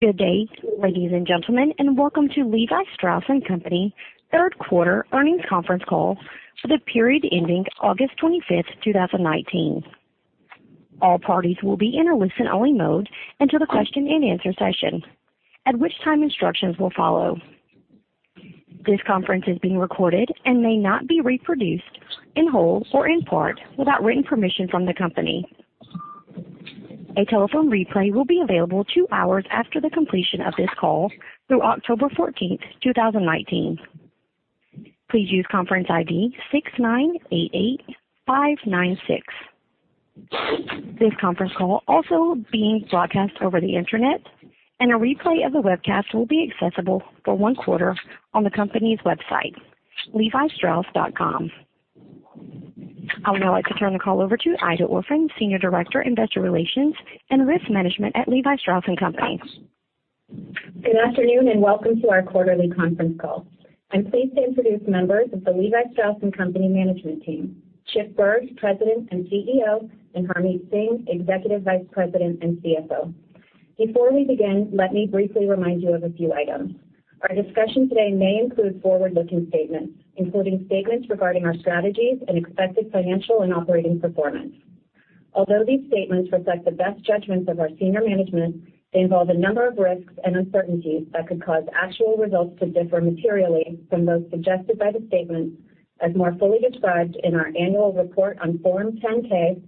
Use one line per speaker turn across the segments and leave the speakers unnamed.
Good day, ladies and gentlemen, welcome to Levi Strauss & Co.'s third quarter earnings conference call for the period ending August 25th, 2019. All parties will be in a listen-only mode until the question and answer session, at which time instructions will follow. This conference is being recorded. May not be reproduced in whole or in part without written permission from the company. A telephone replay will be available two hours after the completion of this call through October 14th, 2019. Please use conference ID 6988596. This conference call also being broadcast over the internet. A replay of the webcast will be accessible for one quarter on the company's website, levistrauss.com. I would now like to turn the call over to Aida Orphan, Senior Director, Investor Relations and Risk Management at Levi Strauss & Co.
Good afternoon, and welcome to our quarterly conference call. I'm pleased to introduce members of the Levi Strauss & Co. management team, Chip Bergh, President and CEO, and Harmit Singh, Executive Vice President and CFO. Before we begin, let me briefly remind you of a few items. Our discussion today may include forward-looking statements, including statements regarding our strategies and expected financial and operating performance. Although these statements reflect the best judgments of our senior management, they involve a number of risks and uncertainties that could cause actual results to differ materially from those suggested by the statements, as more fully described in our annual report on Form 10-K,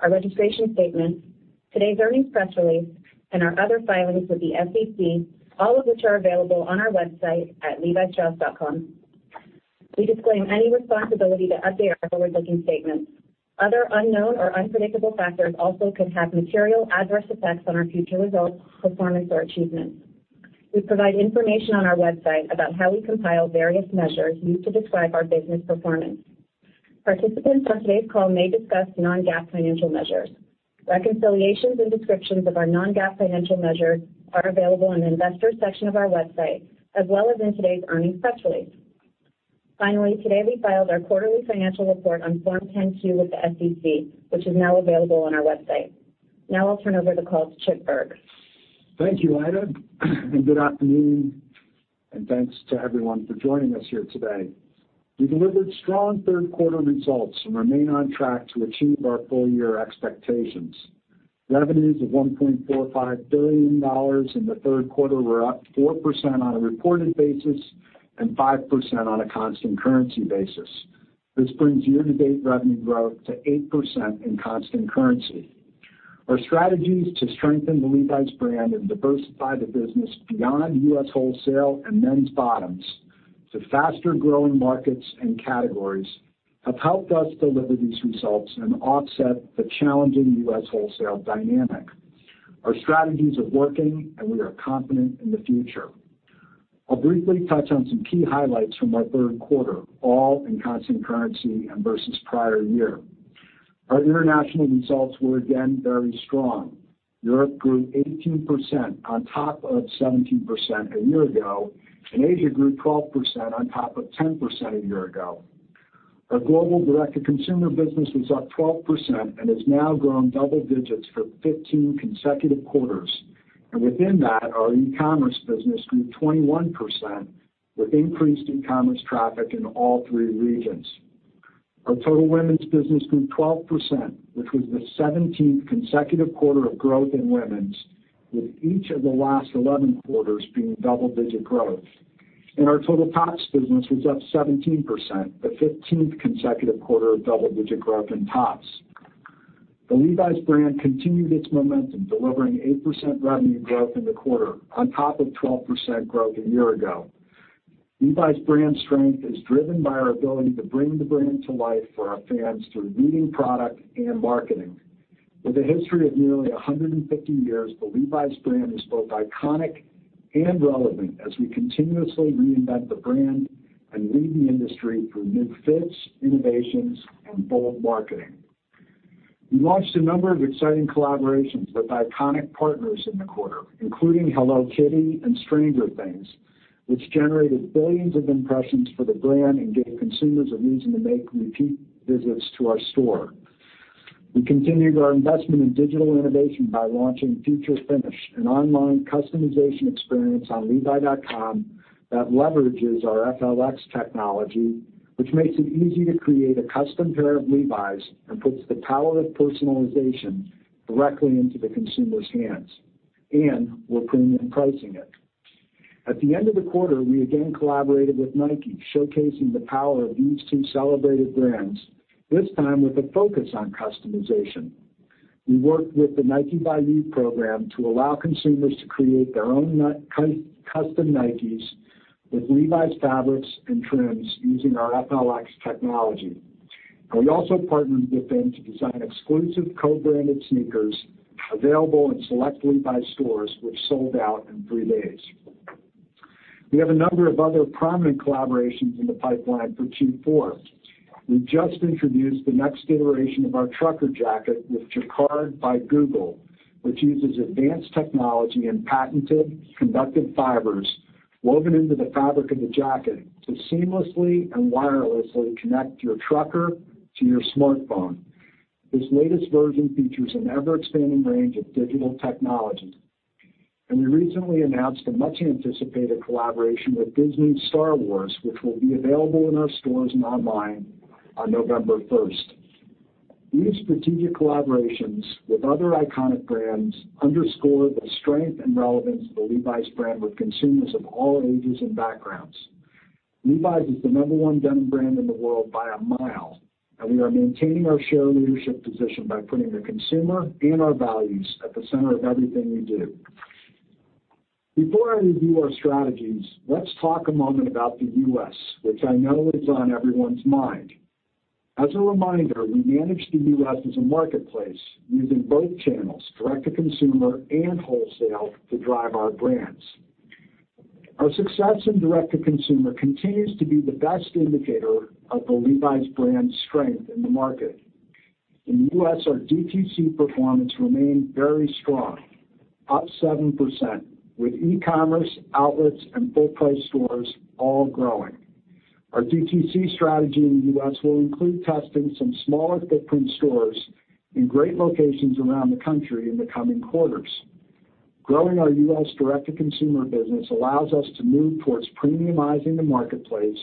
our registration statements, today's earnings press release, and our other filings with the SEC, all of which are available on our website at levistrauss.com. We disclaim any responsibility to update our forward-looking statements. Other unknown or unpredictable factors also could have material adverse effects on our future results, performance, or achievements. We provide information on our website about how we compile various measures used to describe our business performance. Participants on today's call may discuss non-GAAP financial measures. Reconciliations and descriptions of our non-GAAP financial measures are available in the investor section of our website, as well as in today's earnings press release. Finally, today we filed our quarterly financial report on Form 10-Q with the SEC, which is now available on our website. Now I'll turn over the call to Chip Bergh.
Thank you, Aida. Good afternoon, and thanks to everyone for joining us here today. We delivered strong third quarter results and remain on track to achieve our full-year expectations. Revenues of $1.45 billion in the third quarter were up 4% on a reported basis and 5% on a constant currency basis. This brings year-to-date revenue growth to 8% in constant currency. Our strategies to strengthen the Levi's brand and diversify the business beyond U.S. wholesale and men's bottoms to faster-growing markets and categories have helped us deliver these results and offset the challenging U.S. wholesale dynamic. Our strategies are working, and we are confident in the future. I'll briefly touch on some key highlights from our third quarter, all in constant currency and versus prior year. Our international results were again very strong. Europe grew 18% on top of 17% a year ago, and Asia grew 12% on top of 10% a year ago. Our global direct-to-consumer business was up 12% and has now grown double digits for 15 consecutive quarters. Within that, our e-commerce business grew 21%, with increased e-commerce traffic in all three regions. Our total women's business grew 12%, which was the 17th consecutive quarter of growth in women's, with each of the last 11 quarters being double-digit growth. Our total tops business was up 17%, the 15th consecutive quarter of double-digit growth in tops. The Levi's brand continued its momentum, delivering 8% revenue growth in the quarter, on top of 12% growth a year ago. Levi's brand strength is driven by our ability to bring the brand to life for our fans through leading product and marketing. With a history of nearly 150 years, the Levi's brand is both iconic and relevant as we continuously reinvent the brand and lead the industry through new fits, innovations, and bold marketing. We launched a number of exciting collaborations with iconic partners in the quarter, including Hello Kitty and Stranger Things, which generated billions of impressions for the brand and gave consumers a reason to make repeat visits to our store. We continued our investment in digital innovation by launching Future Finish, an online customization experience on levi.com that leverages our FLX technology, which makes it easy to create a custom pair of Levi's and puts the power of personalization directly into the consumer's hands. We're premium pricing it. At the end of the quarter, we again collaborated with Nike, showcasing the power of these two celebrated brands, this time with a focus on customization. We worked with the Nike By You program to allow consumers to create their own custom Nikes with Levi's fabrics and trims using our FLX technology. We also partnered with them to design exclusive co-branded sneakers available in select Levi's stores, which sold out in three days. We have a number of other prominent collaborations in the pipeline for Q4. We just introduced the next iteration of our trucker jacket with Jacquard by Google, which uses advanced technology and patented conductive fibers woven into the fabric of the jacket to seamlessly and wirelessly connect your trucker to your smartphone. This latest version features an ever-expanding range of digital technology. We recently announced a much-anticipated collaboration with Disney's Star Wars, which will be available in our stores and online on November first. These strategic collaborations with other iconic brands underscore the strength and relevance of the Levi's brand with consumers of all ages and backgrounds. Levi's is the number one denim brand in the world by a mile, and we are maintaining our share leadership position by putting the consumer and our values at the center of everything we do. Before I review our strategies, let's talk a moment about the U.S., which I know is on everyone's mind. As a reminder, we manage the U.S. as a marketplace using both channels, direct-to-consumer and wholesale, to drive our brands. Our success in direct-to-consumer continues to be the best indicator of the Levi's brand strength in the market. In the U.S., our DTC performance remained very strong, up 7%, with e-commerce, outlets, and full price stores all growing. Our DTC strategy in the U.S. will include testing some smaller footprint stores in great locations around the country in the coming quarters. Growing our U.S. direct-to-consumer business allows us to move towards premiumizing the marketplace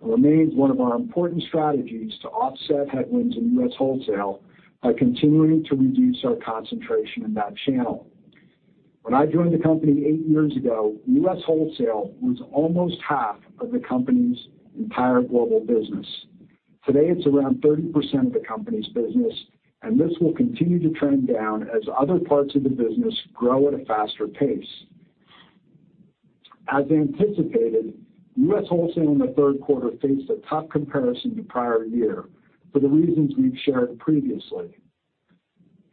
and remains one of our important strategies to offset headwinds in U.S. wholesale by continuing to reduce our concentration in that channel. When I joined the company eight years ago, U.S. wholesale was almost half of the company's entire global business. Today, it's around 30% of the company's business, and this will continue to trend down as other parts of the business grow at a faster pace. As anticipated, U.S. wholesale in the third quarter faced a tough comparison to prior year for the reasons we've shared previously.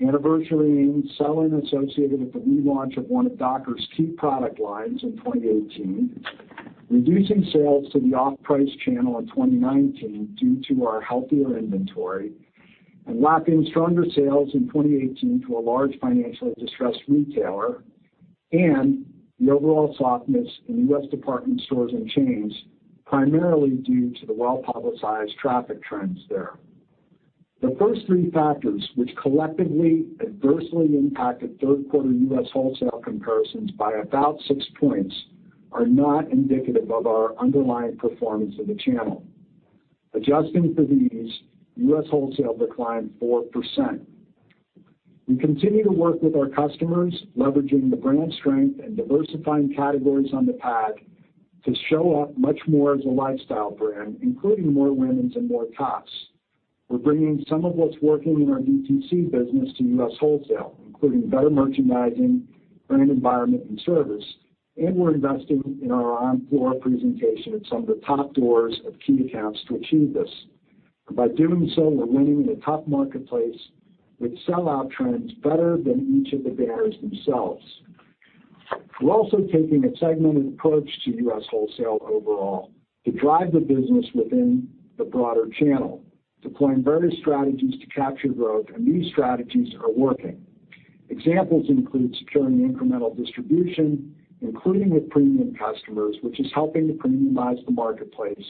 Anniversarying selling associated with the relaunch of one of Dockers key product lines in 2018, reducing sales to the off-price channel in 2019 due to our healthier inventory, and locking stronger sales in 2018 to a large financially distressed retailer, and the overall softness in U.S. department stores and chains, primarily due to the well-publicized traffic trends there. The first three factors, which collectively adversely impacted third quarter U.S. wholesale comparisons by about 6 points, are not indicative of our underlying performance of the channel. Adjusting for these, U.S. wholesale declined 4%. We continue to work with our customers, leveraging the brand strength and diversifying categories on the pad to show up much more as a lifestyle brand, including more womens and more tops. We're bringing some of what's working in our DTC business to U.S. wholesale, including better merchandising, brand environment, and service. We're investing in our on-floor presentation at some of the top doors of key accounts to achieve this. By doing so, we're winning in a tough marketplace with sell-out trends better than each of the bears themselves. We're also taking a segmented approach to U.S. wholesale overall to drive the business within the broader channel, deploying various strategies to capture growth. These strategies are working. Examples include securing incremental distribution, including with premium customers, which is helping to premiumize the marketplace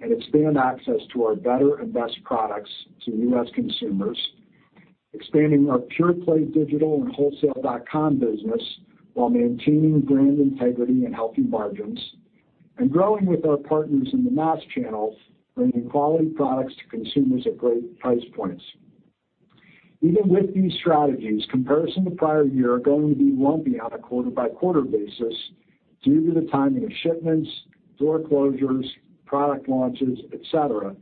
and expand access to our better and best products to U.S. consumers. Expanding our pure-play digital and wholesale.com business while maintaining brand integrity and healthy margins. Growing with our partners in the mass channel, bringing quality products to consumers at great price points. Even with these strategies, comparison to prior year are going to be lumpy on a quarter-by-quarter basis due to the timing of shipments, door closures, product launches, et cetera,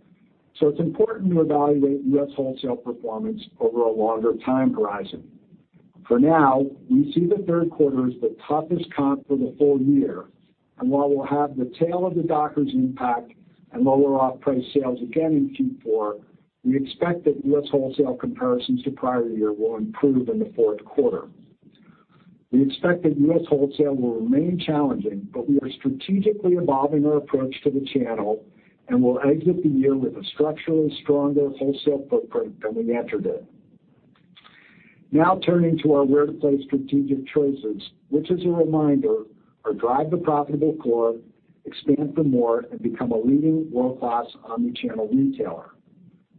so it's important to evaluate U.S. wholesale performance over a longer time horizon. For now, we see the third quarter as the toughest comp for the full year, and while we'll have the tail of the Dockers impact and lower off-price sales again in Q4, we expect that U.S. wholesale comparisons to prior year will improve in the fourth quarter. We expect that U.S. wholesale will remain challenging, but we are strategically evolving our approach to the channel and will exit the year with a structurally stronger wholesale footprint than we entered it. Now turning to our where-to-play strategic choices, which is a reminder are drive the profitable core, expand for more, and become a leading world-class omni-channel retailer.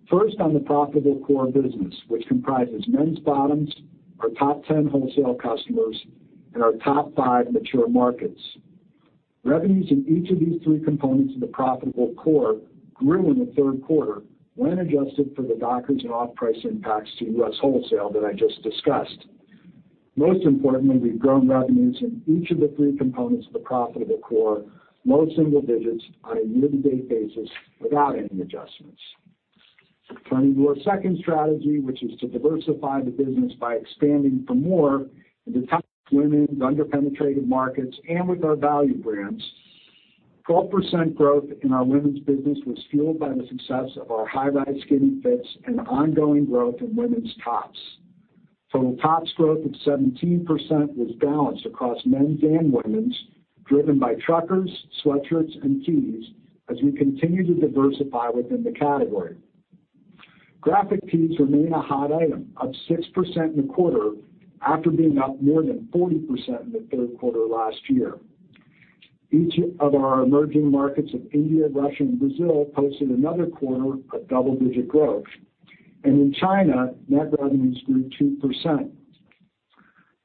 First, on the profitable core business, which comprises men's bottoms, our top 10 wholesale customers, and our top 5 mature markets. Revenues in each of these three components of the profitable core grew in the third quarter when adjusted for the Dockers and off-price impacts to U.S. wholesale that I just discussed. Most importantly, we've grown revenues in each of the three components of the profitable core, low single digits on a year-to-date basis without any adjustments. Turning to our second strategy, which is to diversify the business by expanding for more into women's, under-penetrated markets, and with our value brands. 12% growth in our women's business was fueled by the success of our high-rise skinny fits and ongoing growth in women's tops. Total tops growth of 17% was balanced across men's and women's, driven by truckers, sweatshirts, and tees, as we continue to diversify within the category. Graphic tees remain a hot item, up 6% in the quarter after being up more than 40% in the third quarter last year. Each of our emerging markets of India, Russia, and Brazil posted another quarter of double-digit growth. In China, net revenues grew 2%.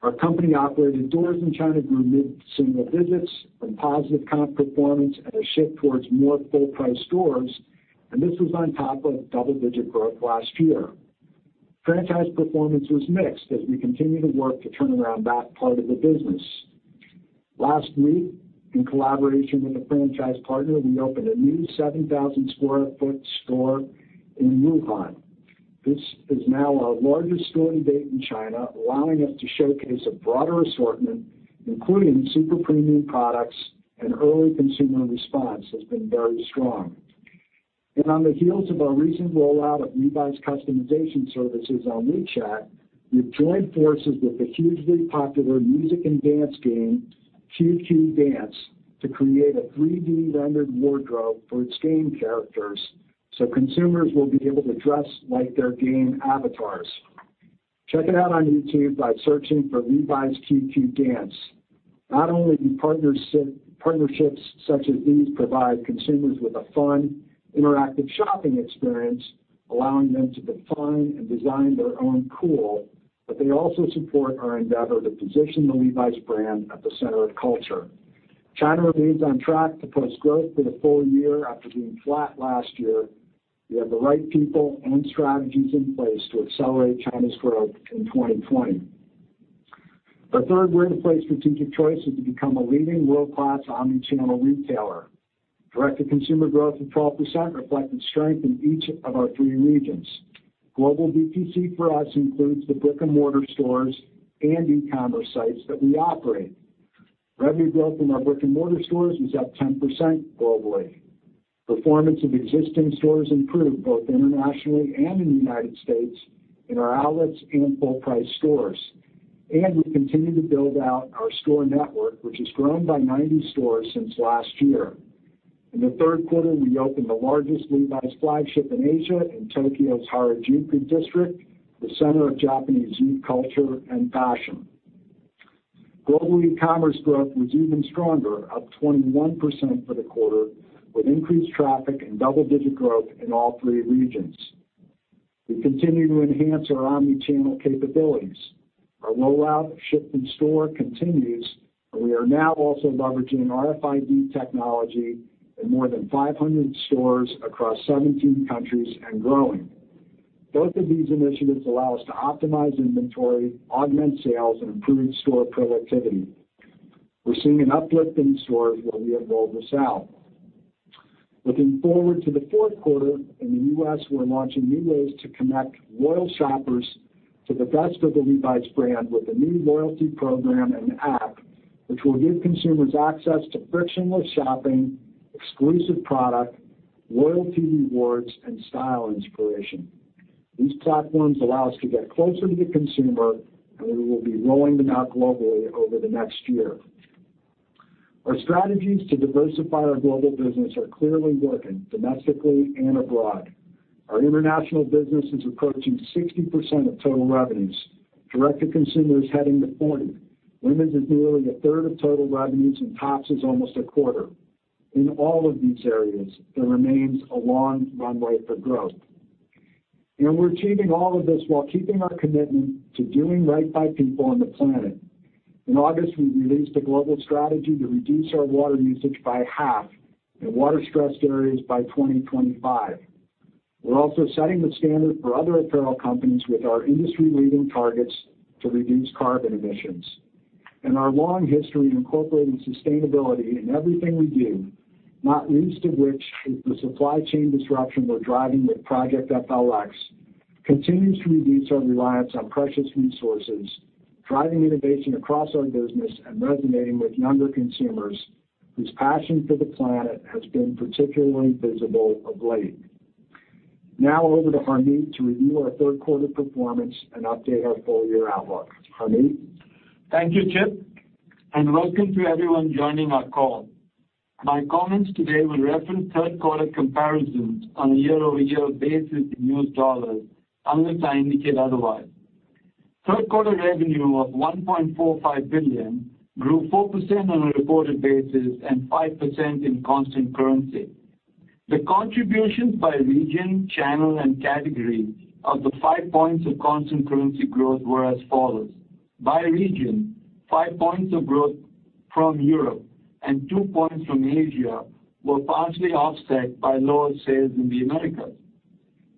Our company-operated stores in China grew mid-single digits from positive comp performance and a shift towards more full-price stores, and this was on top of double-digit growth last year. Franchise performance was mixed as we continue to work to turn around that part of the business. Last week, in collaboration with a franchise partner, we opened a new 7,000 sq ft store in Wuhan. This is now our largest store to date in China, allowing us to showcase a broader assortment, including super premium products, and early consumer response has been very strong. On the heels of our recent rollout of Levi's customization services on WeChat, we've joined forces with the hugely popular music and dance game, QQ Dance, to create a 3D-rendered wardrobe for its game characters, so consumers will be able to dress like their game avatars. Check it out on YouTube by searching for Levi's QQ Dance. Not only do partnerships such as these provide consumers with a fun, interactive shopping experience, allowing them to define and design their own cool, but they also support our endeavor to position the Levi's brand at the center of culture. China remains on track to post growth for the full year after being flat last year. We have the right people and strategies in place to accelerate China's growth in 2020. Our third win in place strategic choice is to become a leading world-class omni-channel retailer. Direct-to-consumer growth of 12% reflected strength in each of our three regions. Global DTC for us includes the brick-and-mortar stores and e-commerce sites that we operate. Revenue growth in our brick-and-mortar stores was up 10% globally. Performance of existing stores improved both internationally and in the United States, in our outlets and full-price stores. We continue to build out our store network, which has grown by 90 stores since last year. In the third quarter, we opened the largest Levi's flagship in Asia in Tokyo's Harajuku district, the center of Japanese youth culture and fashion. Global e-commerce growth was even stronger, up 21% for the quarter, with increased traffic and double-digit growth in all three regions. We continue to enhance our omni-channel capabilities. Our rollout of ship from store continues, and we are now also leveraging RFID technology in more than 500 stores across 17 countries and growing. Both of these initiatives allow us to optimize inventory, augment sales, and improve store productivity. We're seeing an uplift in stores where we have rolled this out. Looking forward to the fourth quarter, in the U.S., we're launching new ways to connect loyal shoppers to the best of the Levi's brand with a new loyalty program and app, which will give consumers access to frictionless shopping, exclusive product, loyalty rewards, and style inspiration. These platforms allow us to get closer to the consumer, and we will be rolling them out globally over the next year. Our strategies to diversify our global business are clearly working, domestically and abroad. Our international business is approaching 60% of total revenues. Direct-to-consumer is heading to 40%. Women's is nearly a third of total revenues, and tops is almost a quarter. In all of these areas, there remains a long runway for growth. We're achieving all of this while keeping our commitment to doing right by people and the planet. In August, we released a global strategy to reduce our water usage by half in water-stressed areas by 2025. We're also setting the standard for other apparel companies with our industry-leading targets to reduce carbon emissions. Our long history of incorporating sustainability in everything we do, not least of which is the supply chain disruption we're driving with Project F.L.X., continues to reduce our reliance on precious resources, driving innovation across our business and resonating with younger consumers whose passion for the planet has been particularly visible of late. Now over to Harmit to review our third quarter performance and update our full year outlook. Harmit?
Thank you, Chip, and welcome to everyone joining our call. My comments today will reference third quarter comparisons on a year-over-year basis in U.S. dollars, unless I indicate otherwise. Third quarter revenue of $1.45 billion grew 4% on a reported basis and 5% in constant currency. The contributions by region, channel, and category of the five points of constant currency growth were as follows. By region, five points of growth from Europe and two points from Asia were partially offset by lower sales in the Americas.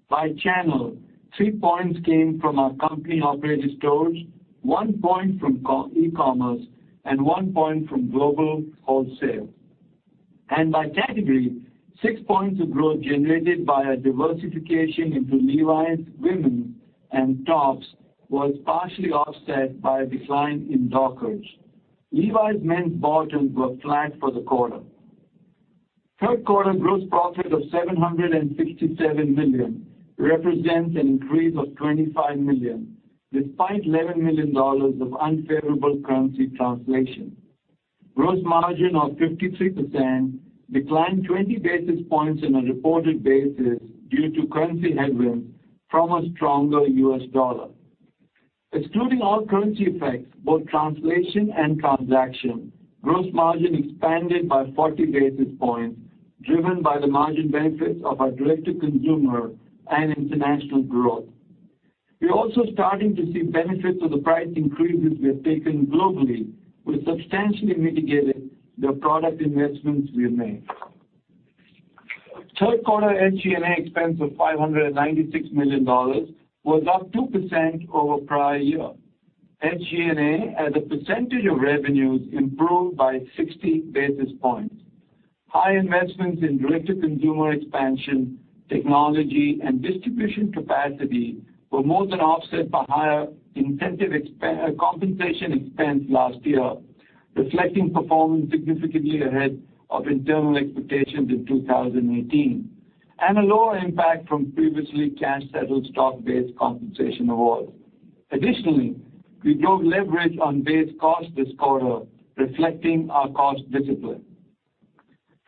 By channel, three points came from our company-operated stores, one point from e-commerce, and one point from global wholesale. By category, six points of growth generated by a diversification into Levi's women and tops was partially offset by a decline in Dockers. Levi's men's bottoms were flat for the quarter. Third quarter gross profit of $767 million represents an increase of $25 million, despite $11 million of unfavorable currency translation. Gross margin of 53% declined 20 basis points on a reported basis due to currency headwinds from a stronger U.S. dollar. Excluding all currency effects, both translation and transaction, gross margin expanded by 40 basis points, driven by the margin benefits of our direct-to-consumer and international growth. We're also starting to see benefits of the price increases we have taken globally, which substantially mitigated the product investments we have made. Third quarter SG&A expense of $596 million was up 2% over prior year. SG&A as a percentage of revenues improved by 60 basis points. High investments in direct-to-consumer expansion, technology, and distribution capacity were more than offset by higher incentive compensation expense last year, reflecting performance significantly ahead of internal expectations in 2018, and a lower impact from previously cash-settled stock-based compensation awards. Additionally, we drove leverage on base cost this quarter, reflecting our cost discipline.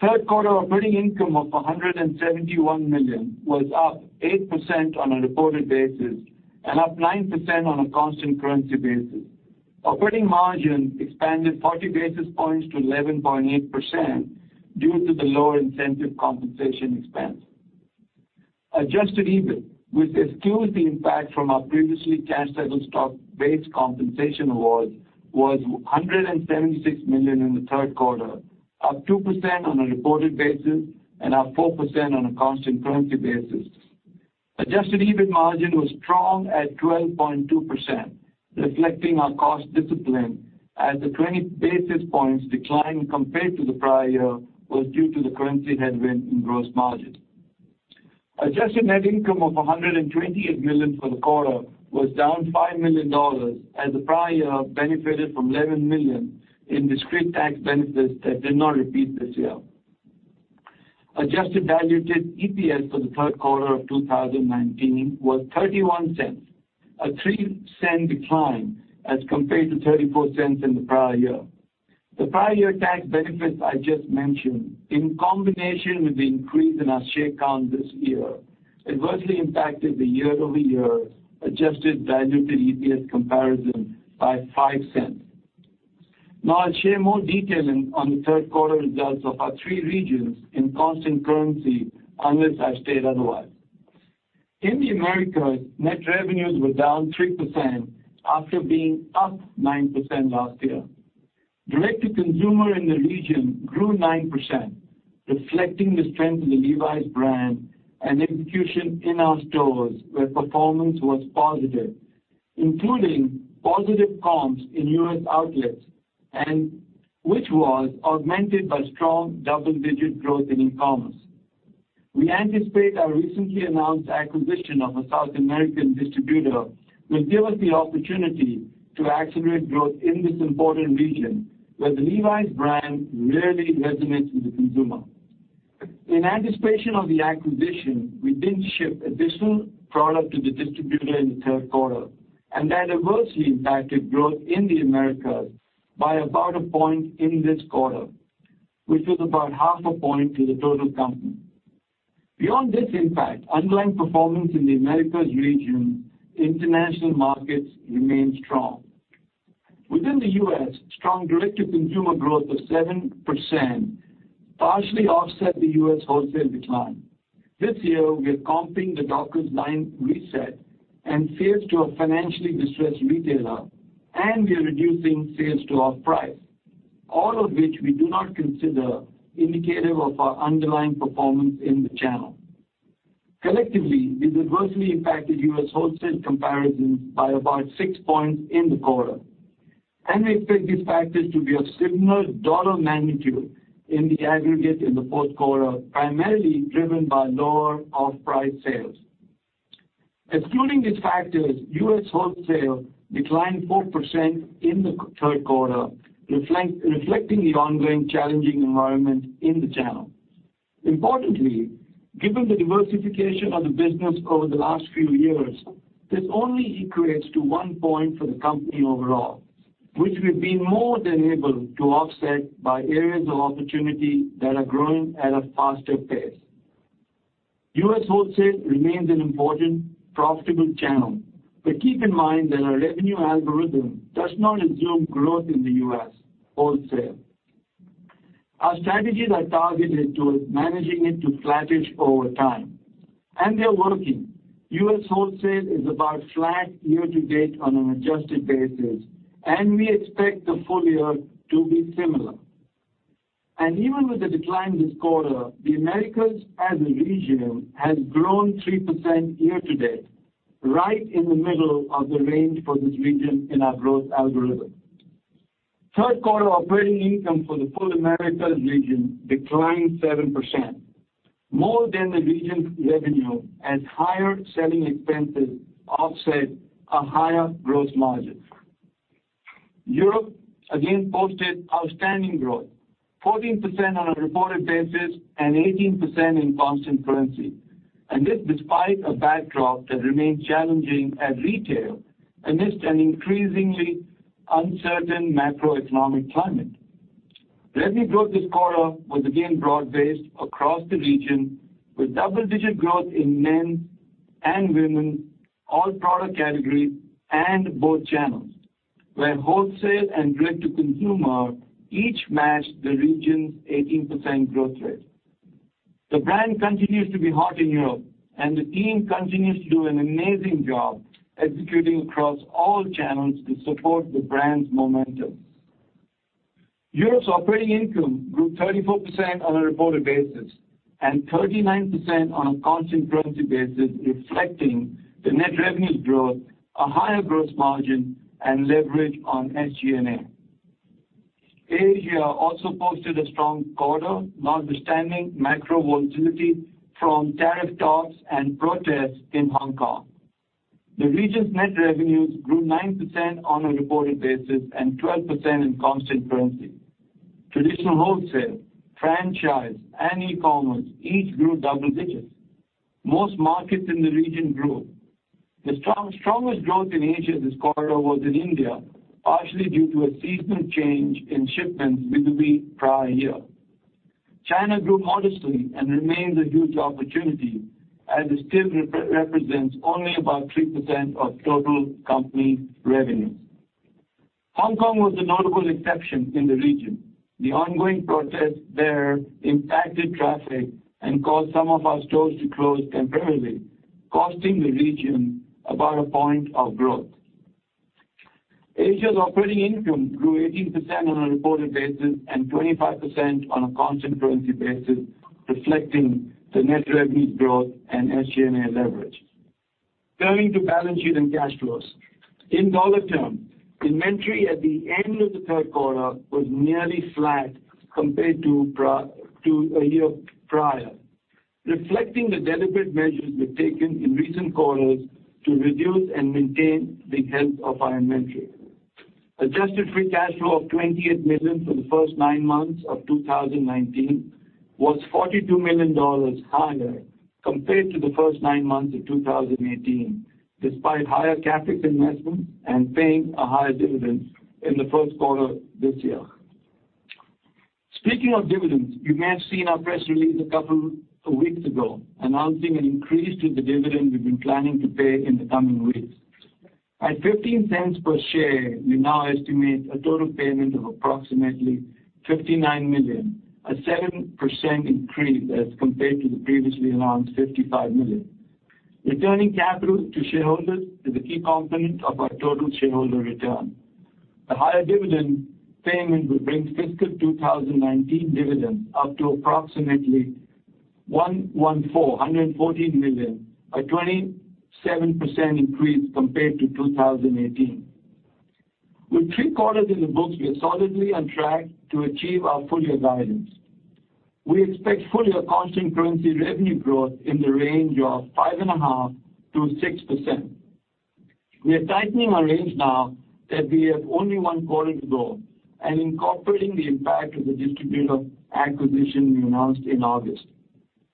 Third quarter operating income of $171 million was up 8% on a reported basis and up 9% on a constant currency basis. Operating margin expanded 40 basis points to 11.8% due to the lower incentive compensation expense. Adjusted EBIT, which excludes the impact from our previously cash-settled stock-based compensation awards, was $176 million in the third quarter, up 2% on a reported basis and up 4% on a constant currency basis. Adjusted EBIT margin was strong at 12.2%, reflecting our cost discipline as the 20 basis points decline compared to the prior year was due to the currency headwind in gross margin. Adjusted net income of $128 million for the quarter was down $5 million, as the prior year benefited from $11 million in discrete tax benefits that did not repeat this year. Adjusted diluted EPS for the third quarter of 2019 was $0.31, a $0.03 decline as compared to $0.34 in the prior year. The prior year tax benefits I just mentioned, in combination with the increase in our share count this year, adversely impacted the year-over-year adjusted diluted EPS comparison by $0.05. I'll share more detail on the third quarter results of our three regions in constant currency, unless I state otherwise. In the Americas, net revenues were down 3% after being up 9% last year. Direct-to-consumer in the region grew 9%, reflecting the strength of the Levi's brand and execution in our stores where performance was positive, including positive comps in U.S. outlets, and which was augmented by strong double-digit growth in e-commerce. We anticipate our recently announced acquisition of a South American distributor will give us the opportunity to accelerate growth in this important region where the Levi's brand really resonates with the consumer. In anticipation of the acquisition, we didn't ship additional product to the distributor in the third quarter, and that adversely impacted growth in the Americas by about a point in this quarter, which was about half a point to the total company. Beyond this impact, underlying performance in the Americas region, international markets remained strong. Within the U.S., strong direct-to-consumer growth of 7% partially offset the U.S. wholesale decline. This year, we are comping the Dockers line reset and sales to a financially distressed retailer, and we are reducing sales to off-price, all of which we do not consider indicative of our underlying performance in the channel. Collectively, these adversely impacted U.S. wholesale comparisons by about six points in the quarter, and we expect these factors to be of similar dollar magnitude in the aggregate in the fourth quarter, primarily driven by lower off-price sales. Excluding these factors, U.S. wholesale declined 4% in the third quarter, reflecting the ongoing challenging environment in the channel. Importantly, given the diversification of the business over the last few years, this only equates to one point for the company overall, which we've been more than able to offset by areas of opportunity that are growing at a faster pace. U.S. wholesale remains an important profitable channel. Keep in mind that our revenue algorithm does not assume growth in the U.S. wholesale. Our strategies are targeted towards managing it to flattish over time, and they're working. U.S. wholesale is about flat year to date on an adjusted basis, and we expect the full year to be similar. Even with the decline this quarter, the Americas as a region has grown 3% year to date, right in the middle of the range for this region in our growth algorithm. Third quarter operating income for the full Americas region declined 7%, more than the region's revenue as higher selling expenses offset a higher gross margin. Europe again posted outstanding growth, 14% on a reported basis and 18% in constant currency. This despite a backdrop that remains challenging at retail amidst an increasingly uncertain macroeconomic climate. Revenue growth this quarter was again broad-based across the region, with double-digit growth in men's and women's, all product categories, and both channels, where wholesale and direct-to-consumer each matched the region's 18% growth rate. The brand continues to be hot in Europe, and the team continues to do an amazing job executing across all channels to support the brand's momentum. Europe's operating income grew 34% on a reported basis and 39% on a constant currency basis, reflecting the net revenue growth, a higher gross margin, and leverage on SG&A. Asia also posted a strong quarter, notwithstanding macro volatility from tariff talks and protests in Hong Kong. The region's net revenues grew 9% on a reported basis and 12% in constant currency. Traditional wholesale, franchise, and e-commerce each grew double-digits. Most markets in the region grew. The strongest growth in Asia this quarter was in India, partially due to a seasonal change in shipments with the prior year. China grew modestly and remains a huge opportunity as it still represents only about 3% of total company revenues. Hong Kong was the notable exception in the region. The ongoing protests there impacted traffic and caused some of our stores to close temporarily, costing the region about a point of growth. Asia's operating income grew 18% on a reported basis and 25% on a constant currency basis, reflecting the net revenue growth and SG&A leverage. Turning to balance sheet and cash flows. In dollar terms, inventory at the end of the third quarter was nearly flat compared to a year prior, reflecting the deliberate measures we've taken in recent quarters to reduce and maintain the health of our inventory. Adjusted free cash flow of $28 million for the first nine months of 2019 was $42 million higher compared to the first nine months of 2018, despite higher CapEx investments and paying a higher dividend in the first quarter this year. Speaking of dividends, you may have seen our press release a couple weeks ago announcing an increase to the dividend we've been planning to pay in the coming weeks. At $0.15 per share, we now estimate a total payment of approximately $59 million, a 7% increase as compared to the previously announced $55 million. Returning capital to shareholders is a key component of our total shareholder return. A higher dividend payment would bring fiscal 2019 dividends up to approximately $114 million, a 27% increase compared to 2018. With three quarters in the books, we are solidly on track to achieve our full-year guidance. We expect full-year constant currency revenue growth in the range of 5.5%-6%. We are tightening our range now that we have only one quarter to go and incorporating the impact of the distributor acquisition we announced in August.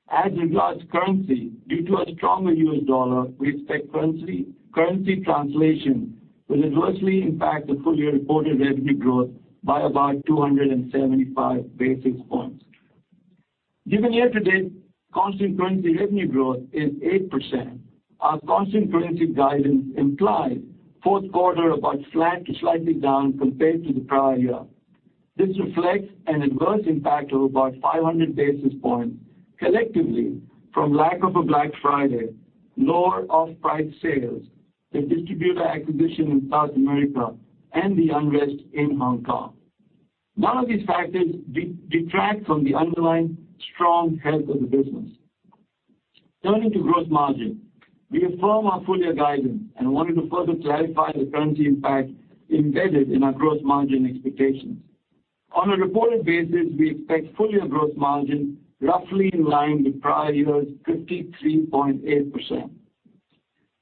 As regards to currency, due to a stronger U.S. dollar, we expect currency translation will adversely impact the full-year reported revenue growth by about 275 basis points. Given year-to-date constant currency revenue growth is 8%, our constant currency guidance implies fourth quarter about flat to slightly down compared to the prior year. This reflects an adverse impact of about 500 basis points collectively from lack of a Black Friday, lower off-price sales, the distributor acquisition in South America, and the unrest in Hong Kong. None of these factors detract from the underlying strong health of the business. Turning to gross margin. We affirm our full-year guidance and wanted to further clarify the currency impact embedded in our gross margin expectations. On a reported basis, we expect full-year gross margin roughly in line with prior year's 53.8%.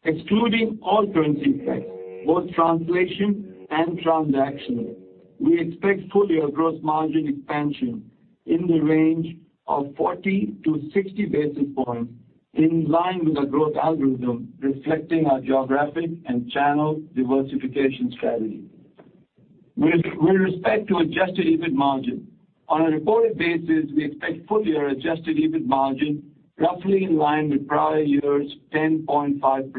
Excluding all currency effects, both translation and transactional, we expect full-year gross margin expansion in the range of 40-60 basis points in line with our growth algorithm, reflecting our geographic and channel diversification strategy. With respect to Adjusted EBIT margin, on a reported basis, we expect full-year Adjusted EBIT margin roughly in line with prior year's 10.5%.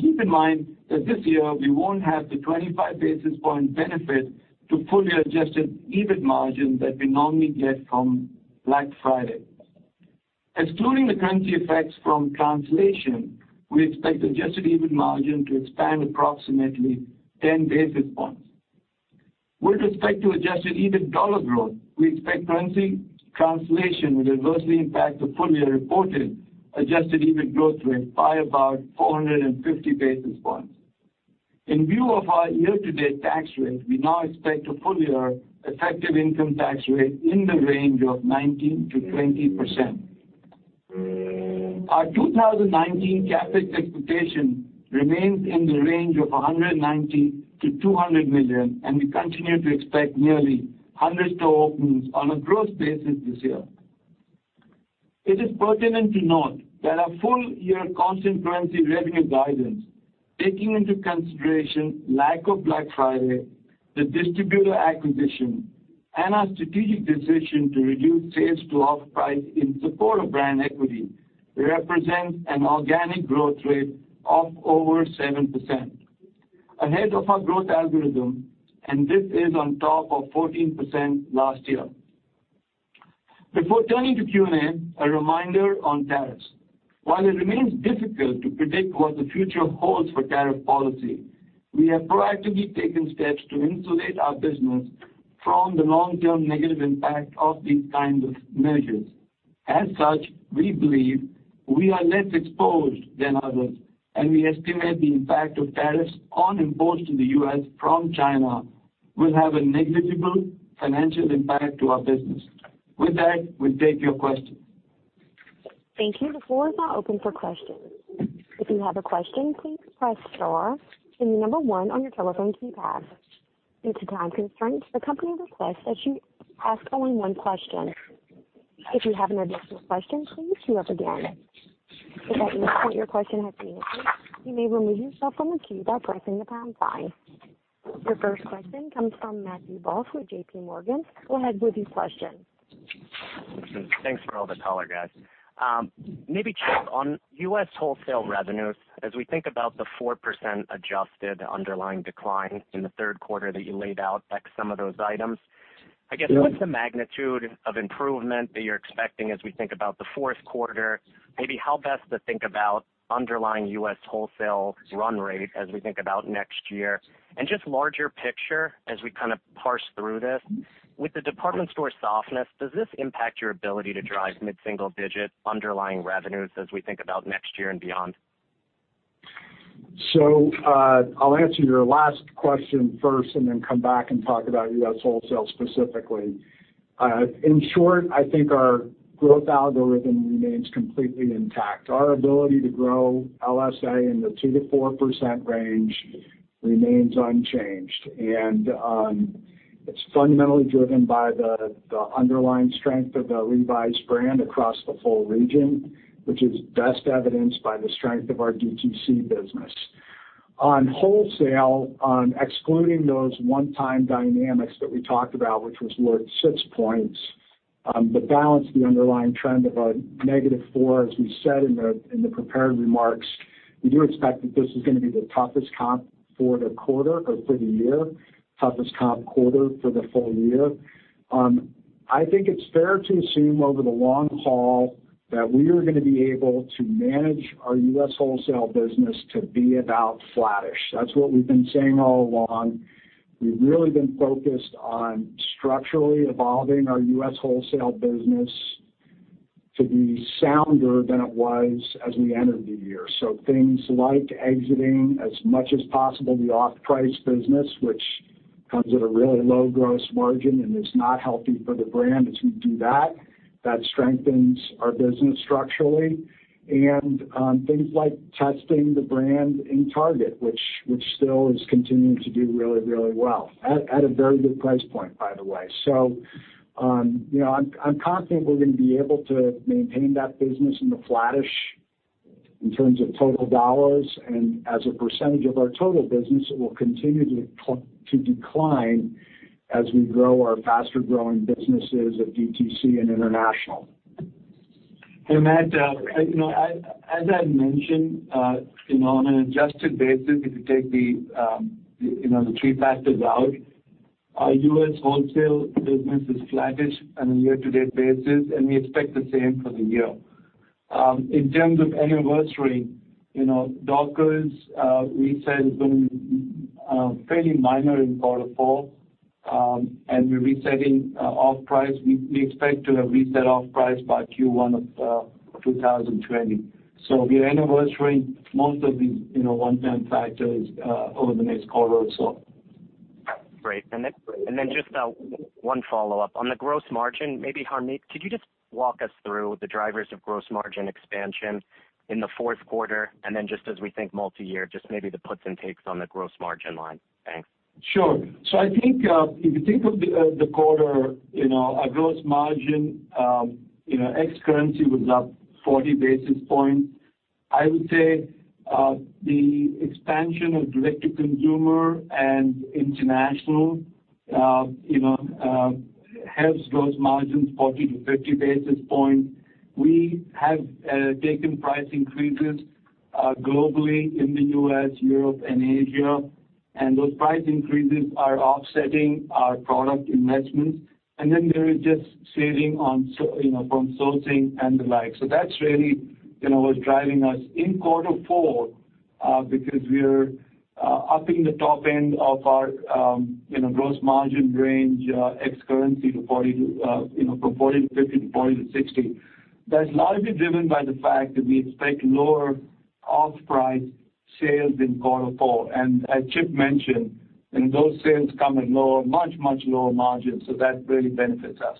Keep in mind that this year we won't have the 25 basis point benefit to full-year Adjusted EBIT margin that we normally get from Black Friday. Excluding the currency effects from translation, we expect Adjusted EBIT margin to expand approximately 10 basis points. With respect to Adjusted EBIT dollar growth, we expect currency translation will adversely impact the full-year reported Adjusted EBIT growth rate by about 450 basis points. In view of our year-to-date tax rate, we now expect a full-year effective income tax rate in the range of 19%-20%. Our 2019 CapEx expectation remains in the range of $190 million-$200 million, and we continue to expect nearly 100 store opens on a gross basis this year. It is pertinent to note that our full-year constant currency revenue guidance, taking into consideration lack of Black Friday, the distributor acquisition, and our strategic decision to reduce sales to off-price in support of brand equity, represents an organic growth rate of over 7%, ahead of our growth algorithm, and this is on top of 14% last year. Before turning to Q&A, a reminder on tariffs. While it remains difficult to predict what the future holds for tariff policy, we have proactively taken steps to insulate our business from the long-term negative impact of these kinds of measures. As such, we believe we are less exposed than others, and we estimate the impact of tariffs on imports to the U.S. from China will have a negligible financial impact to our business. With that, we'll take your questions.
Thank you. The floor is now open for questions. If you have a question, please press star and the number 1 on your telephone keypad. Due to time constraints, the company requests that you ask only one question. If you have an additional question, please queue up again. If at any point your question has been answered, you may remove yourself from the queue by pressing the pound sign. Your first question comes from Matthew Boss from JPMorgan. Go ahead with your question.
Thanks for all the color, guys. Maybe, Chip, on U.S. wholesale revenues, as we think about the 4% adjusted underlying decline in the third quarter that you laid out, back some of those items, I guess, what's the magnitude of improvement that you're expecting as we think about the fourth quarter? Maybe how best to think about underlying U.S. wholesale run rate as we think about next year, and just larger picture as we parse through this. With the department store softness, does this impact your ability to drive mid-single-digit underlying revenues as we think about next year and beyond?
I'll answer your last question first and then come back and talk about U.S. wholesale specifically. In short, I think our growth algorithm remains completely intact. Our ability to grow LSA in the 2%-4% range remains unchanged. It's fundamentally driven by the underlying strength of the Levi's brand across the whole region, which is best evidenced by the strength of our DTC business. On wholesale, excluding those one-time dynamics that we talked about, which was worth 6 points, the balance of the underlying trend of a negative 4, as we said in the prepared remarks, we do expect that this is going to be the toughest comp for the quarter or for the year, toughest comp quarter for the full year. I think it's fair to assume over the long haul that we are going to be able to manage our U.S. wholesale business to be about flattish. That's what we've been saying all along. We've really been focused on structurally evolving our U.S. wholesale business to be sounder than it was as we entered the year. Things like exiting as much as possible the off-price business, which comes at a really low gross margin and is not healthy for the brand. As we do that strengthens our business structurally. Things like testing the brand in Target, which still is continuing to do really, really well, at a very good price point, by the way. I'm confident we're going to be able to maintain that business in the flattish in terms of total dollars, and as a percentage of our total business, it will continue to decline as we grow our faster-growing businesses at DTC and international.
Matt, as I mentioned, on an adjusted basis, if you take the three factors out, our U.S. wholesale business is flattish on a year-to-date basis, and we expect the same for the year. In terms of anniversarying, Dockers, we said, is going to be fairly minor in quarter four. We're resetting off-price. We expect to have reset off-price by Q1 of 2020. We are anniversarying most of these one-time factors over the next quarter or so.
Great. Just one follow-up. On the gross margin, maybe Harmit, could you just walk us through the drivers of gross margin expansion in the fourth quarter, just as we think multi-year, just maybe the puts and takes on the gross margin line? Thanks.
Sure. I think if you think of the quarter, our gross margin ex currency was up 40 basis points. I would say the expansion of direct-to-consumer and international helps gross margins 40 to 50 basis points. We have taken price increases globally in the U.S., Europe, and Asia, and those price increases are offsetting our product investments. There is just saving from sourcing and the like. That's really what's driving us in quarter four, because we're upping the top end of our gross margin range ex currency from 40 to 50 to 40 to 60. That's largely driven by the fact that we expect lower off-price sales in quarter four. As Chip mentioned, those sales come at much lower margins, so that really benefits us.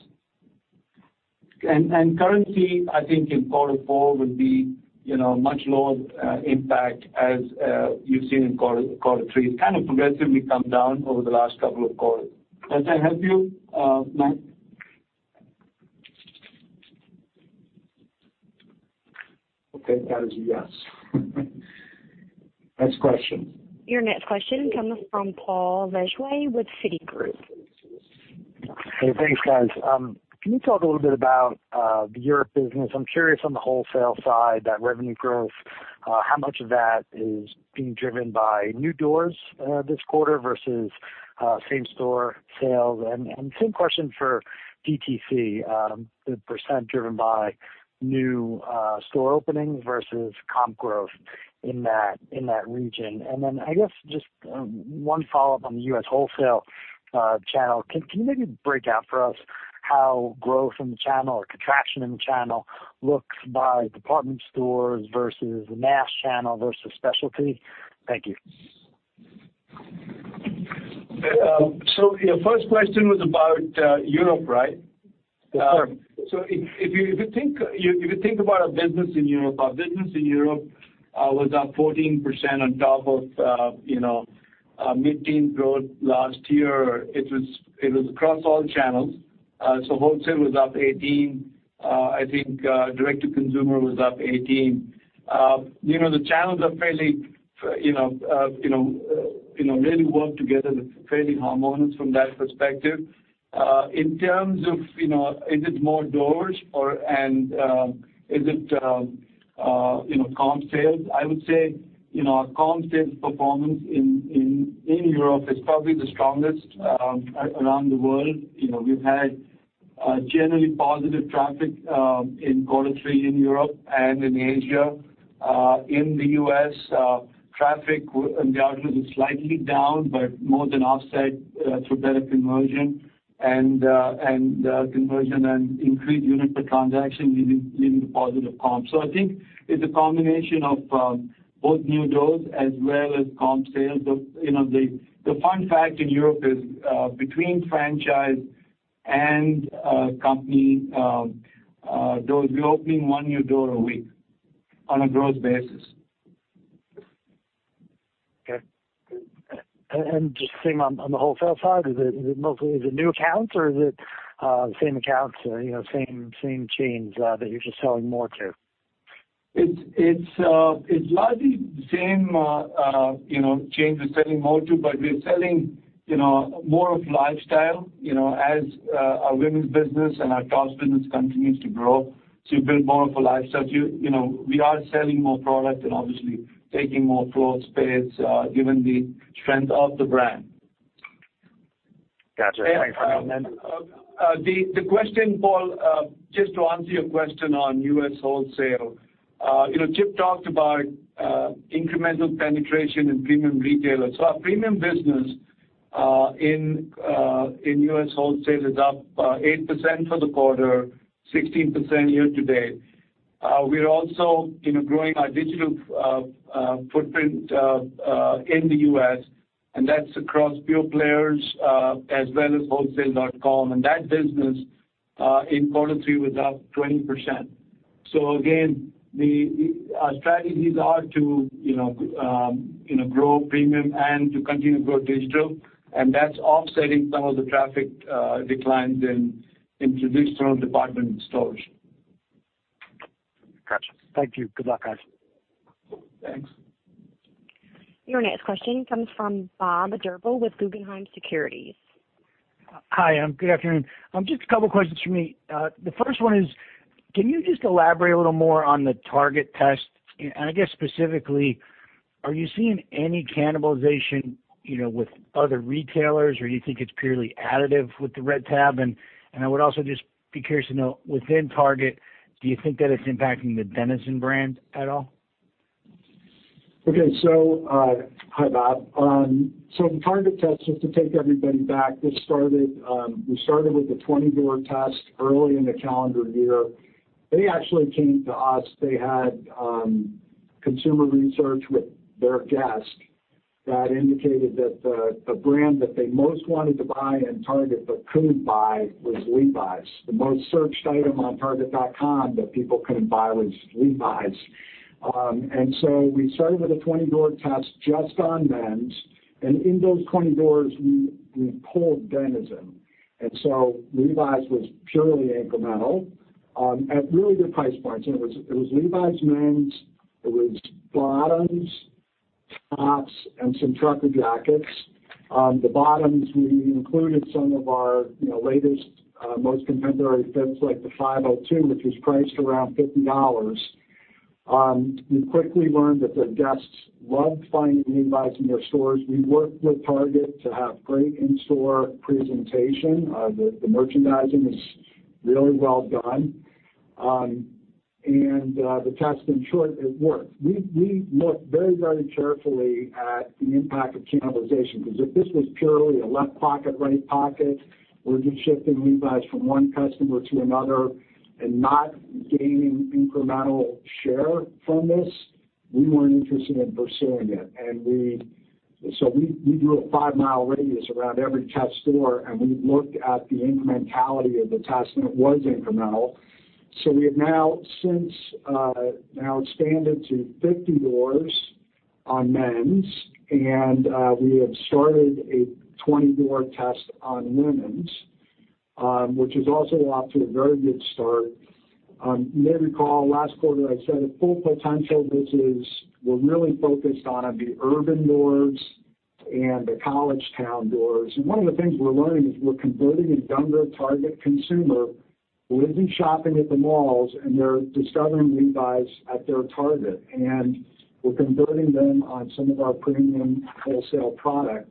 Currency, I think, in quarter four would be much lower impact as you've seen in quarter three. It's kind of progressively come down over the last couple of quarters. Does that help you, Matt? Okay, that is a yes. Next question.
Your next question comes from Paul Lejuez with Citigroup.
Hey, thanks, guys. Can you talk a little bit about the Europe business? I'm curious on the wholesale side, that revenue growth, how much of that is being driven by new doors, this quarter versus same-store sales? Same question for DTC, the % driven by new store openings versus comp growth in that region. I guess just one follow-up on the U.S. wholesale channel. Can you maybe break out for us how growth in the channel or contraction in the channel looks by department stores versus the mass channel versus specialty? Thank you.
Your first question was about Europe, right?
Yes, sir.
If you think about our business in Europe, our business in Europe was up 14% on top of mid-teen growth last year. It was across all channels. Wholesale was up 18. I think direct to consumer was up 18. The channels really work together. It's fairly harmonious from that perspective. In terms of is it more doors or is it comp sales? I would say, our comp sales performance in Europe is probably the strongest around the world. We've had generally positive traffic in quarter 3 in Europe and in Asia. In the U.S., traffic undoubtedly was slightly down, but more than offset through better conversion and increased unit per transaction leading to positive comps. I think it's a combination of both new doors as well as comp sales. The fun fact in Europe is between franchise and company doors, we're opening one new door a week on a gross basis.
Okay. Just same on the wholesale side, is it mostly new accounts or is it the same accounts, same chains that you're just selling more to?
It's largely the same chains we're selling more to, but we're selling more of lifestyle, as our women's business and our girls business continues to grow. We build more of a lifestyle. We are selling more product and obviously taking more floor space given the strength of the brand.
Gotcha. Thank you for that.
The question, Paul, just to answer your question on U.S. wholesale. Chip talked about incremental penetration in premium retailers. Our premium business in U.S. wholesale is up 8% for the quarter, 16% year-to-date. We're also growing our digital footprint in the U.S. and that's across pure players as well as wholesale.com and that business in quarter 3 was up 20%. Again, our strategies are to grow premium and to continue to grow digital, and that's offsetting some of the traffic declines in traditional department stores.
Gotcha. Thank you. Good luck, guys.
Thanks.
Your next question comes from Bob Drbul with Guggenheim Securities.
Hi, good afternoon. Just a couple of questions from me. The first one is, can you just elaborate a little more on the Target test? I guess specifically, are you seeing any cannibalization with other retailers, or do you think it's purely additive with the Red Tab? I would also just be curious to know within Target, do you think that it's impacting the Denizen brand at all?
Okay. Hi, Bob Drbul. The Target test, just to take everybody back, we started with the 20-door test early in the calendar year. They actually came to us. They had consumer research with their guests that indicated that the brand that they most wanted to buy in Target but couldn't buy was Levi's. The most searched item on target.com that people couldn't buy was Levi's. We started with a 20-door test just on men's, and in those 20 doors we pulled Denizen. Levi's was purely incremental, at really good price points. It was Levi's men's, it was bottoms, tops, and some trucker jackets. The bottoms, we included some of our latest, most contemporary fits like the 502, which was priced around $50. We quickly learned that the guests loved finding Levi's in their stores. We worked with Target to have great in-store presentation. The merchandising is really well done. The test, in short, it worked. We looked very carefully at the impact of cannibalization, because if this was purely a left pocket, right pocket, we're just shifting Levi's from one customer to another and not gaining incremental share from this, we weren't interested in pursuing it. We drew a five-mile radius around every test store, and we looked at the incrementality of the test, and it was incremental. We have now since expanded to 50 doors.
On men's, we have started a 20-door test on women's, which is also off to a very good start. You may recall last quarter I said at full potential, this is, we're really focused on the urban doors and the college town doors. One of the things we're learning is we're converting a younger Target consumer who isn't shopping at the malls, and they're discovering Levi's at their Target, and we're converting them on some of our premium wholesale product.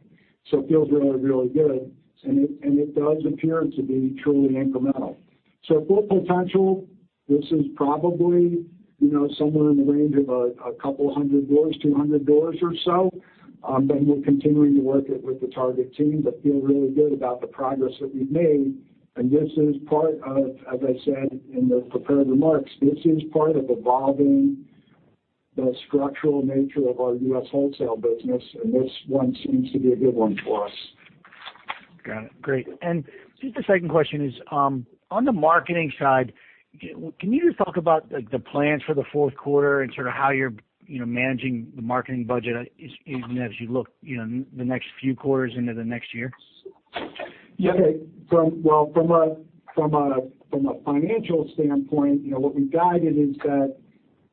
It feels really, really good, and it does appear to be truly incremental. At full potential, this is probably somewhere in the range of a couple hundred doors, 200 doors or so. We're continuing to work it with the Target team, but feel really good about the progress that we've made. This is part of, as I said in the prepared remarks, this is part of evolving the structural nature of our U.S. wholesale business, and this one seems to be a good one for us.
Got it. Great. The second question is, on the marketing side, can you just talk about the plans for the fourth quarter and sort of how you're managing the marketing budget even as you look the next few quarters into the next year?
Well, from a financial standpoint, what we guided is that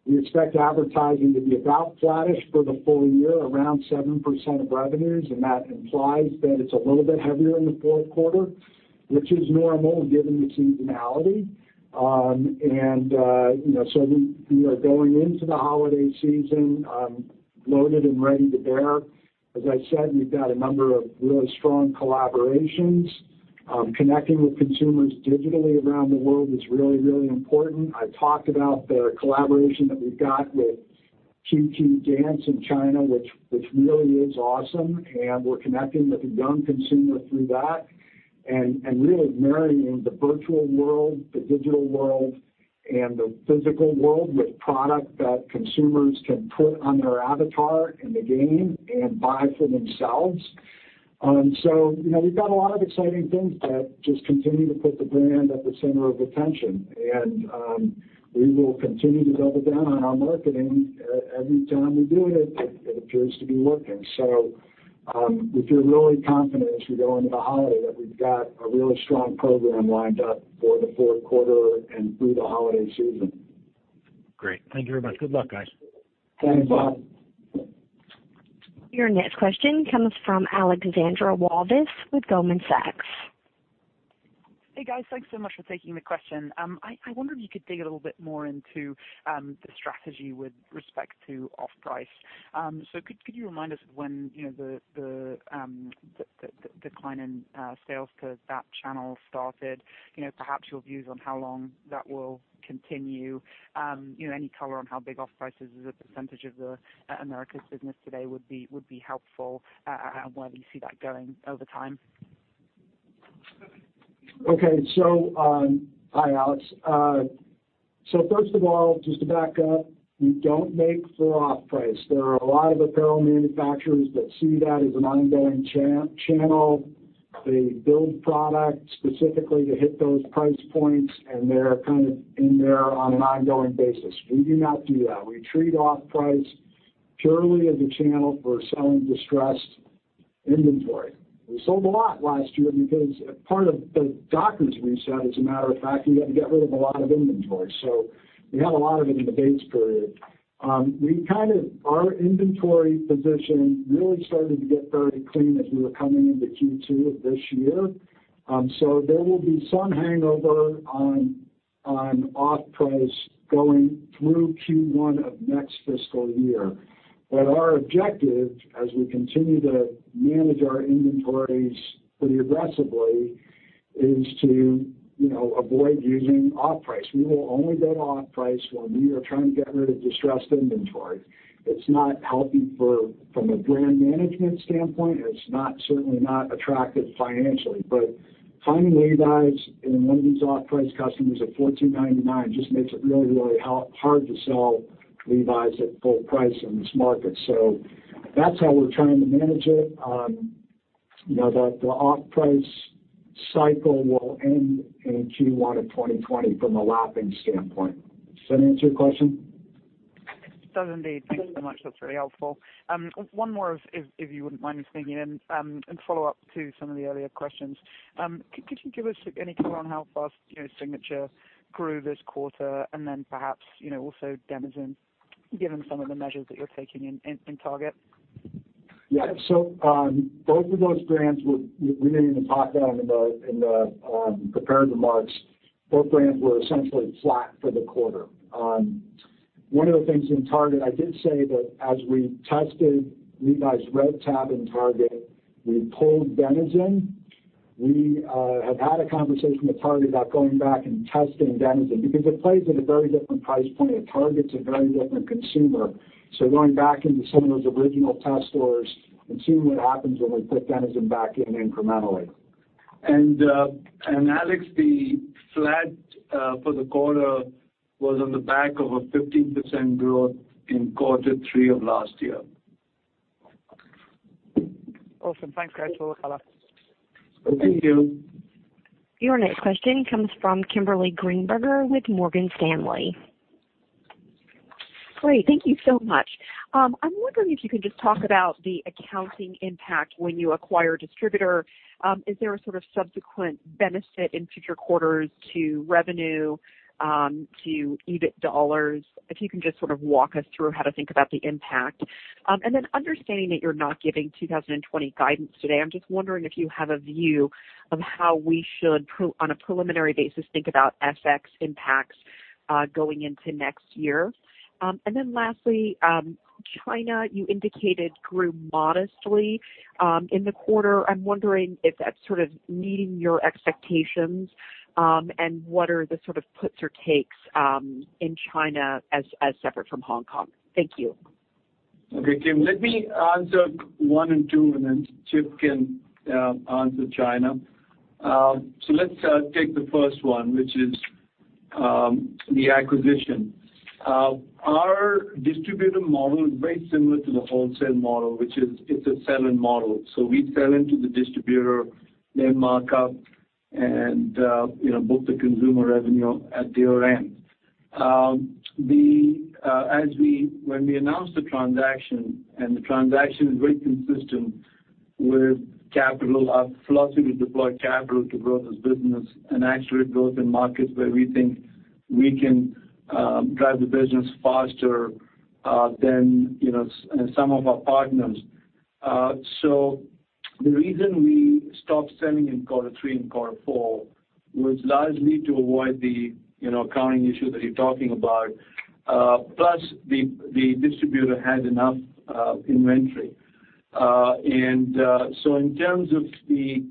we expect advertising to be about flattish for the full year, around 7% of revenues, and that implies that it's a little bit heavier in the fourth quarter, which is normal given the seasonality. So we are going into the holiday season loaded and ready to bear. As I said, we've got a number of really strong collaborations. Connecting with consumers digitally around the world is really, really important. I talked about the collaboration that we've got with QQ Dance in China, which really is awesome, and we're connecting with the young consumer through that and really marrying the virtual world, the digital world, and the physical world with product that consumers can put on their avatar in the game and buy for themselves. We've got a lot of exciting things that just continue to put the brand at the center of attention. We will continue to double down on our marketing. Every time we do it appears to be working. We feel really confident as we go into the holiday that we've got a really strong program lined up for the fourth quarter and through the holiday season.
Great. Thank you very much. Good luck, guys.
Got it, Bob.
Your next question comes from Alexandra Walvis with Goldman Sachs.
Hey, guys. Thanks so much for taking the question. I wonder if you could dig a little bit more into the strategy with respect to off-price. Could you remind us of when the decline in sales to that channel started? Perhaps your views on how long that will continue. Any color on how big off-price is as a % of the Americas business today would be helpful, and where do you see that going over time?
Hi, Alex. First of all, just to back up, we don't make for off-price. There are a lot of apparel manufacturers that see that as an ongoing channel. They build product specifically to hit those price points, and they're kind of in there on an ongoing basis. We do not do that. We treat off-price purely as a channel for selling distressed inventory. We sold a lot last year because part of the Dockers reset, as a matter of fact, we had to get rid of a lot of inventory, so we had a lot of it in the base period. Our inventory position really started to get very clean as we were coming into Q2 of this year. There will be some hangover on off-price going through Q1 of next fiscal year. Our objective, as we continue to manage our inventories pretty aggressively, is to avoid using off-price. We will only go to off-price when we are trying to get rid of distressed inventory. It's not healthy from a brand management standpoint, and it's certainly not attractive financially. Finding Levi's in one of these off-price customers at $14.99 just makes it really, really hard to sell Levi's at full price in this market. That's how we're trying to manage it. The off-price cycle will end in Q1 of 2020 from a lapping standpoint. Does that answer your question?
It does indeed. Thank you so much. That's really helpful. One more if you wouldn't mind me sneaking in follow-up to some of the earlier questions. Could you give us any color on how fast Signature grew this quarter, and then perhaps also Denizen, given some of the measures that you're taking in Target?
Yeah. Both of those brands we didn't even talk about them in the prepared remarks. Both brands were essentially flat for the quarter. One of the things in Target, I did say that as we tested Levi's Red Tab in Target, we pulled Denizen. We have had a conversation with Target about going back and testing Denizen, because it plays at a very different price point, and Target's a very different consumer. Going back into some of those original test stores and seeing what happens when we put Denizen back in incrementally.
Alex, the flat for the quarter was on the back of a 15% growth in quarter three of last year.
Awesome. Thanks, guys. We'll look it up.
Thank you.
Your next question comes from Kimberly Greenberger with Morgan Stanley.
Great. Thank you so much. I'm wondering if you can just talk about the accounting impact when you acquire a distributor. Is there a sort of subsequent benefit in future quarters to revenue, to EBIT dollars? If you can just sort of walk us through how to think about the impact. Understanding that you're not giving 2020 guidance today, I'm just wondering if you have a view of how we should, on a preliminary basis, think about FX impacts going into next year. Lastly, China, you indicated, grew modestly in the quarter. I'm wondering if that's sort of meeting your expectations, and what are the sort of puts or takes in China as separate from Hong Kong? Thank you.
Okay, Kim, let me answer one and two, and then Chip can answer China. Let's take the first one, which is the acquisition. Our distributor model is very similar to the wholesale model, which is it's a sell-in model. We sell into the distributor, they mark up, and book the consumer revenue at their end. When we announced the transaction, and the transaction is very consistent with our philosophy to deploy capital to grow this business and actually growth in markets where we think we can drive the business faster than some of our partners. The reason we stopped selling in quarter three and quarter four was largely to avoid the accounting issue that you're talking about. Plus, the distributor had enough inventory. In terms of the